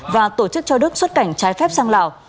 và tổ chức cho đức xuất cảnh trái phép sang lào